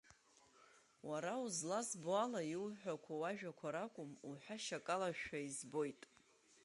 Уара узлазбо ала, иуҳәақәо уажәақәа ракәым, уҳәашьа акалашәа избоит…